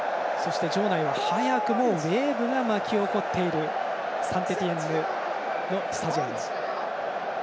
場内は早くもウェーブが巻き起こっているサンテティエンヌのスタジアム。